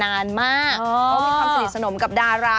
เขามีความสนิทสนมกับดารา